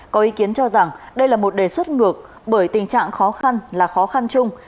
có ý kiến cho rằng đây là một đề xuất ngược bởi tình trạng khó khăn là khó khăn chung